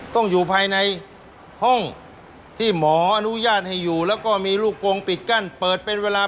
ต้องอยู่ภายในห้องที่หมออนุญาตให้อยู่แล้วก็มีลูกกงปิดกั้นเปิดเป็นเวลา